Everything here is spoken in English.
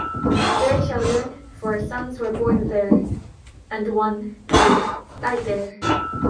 Their children, four sons, were born there and one, Eddie died there.